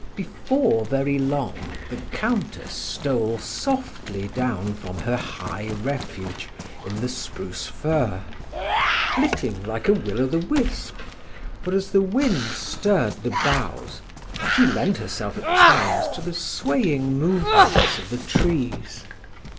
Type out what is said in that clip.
Before very long the Countess stole softly down from her high refuge in the spruce fir, flitting like a will o' the wisp; for as the wind stirred the boughs, she lent herself at times to the swaying movements of the trees.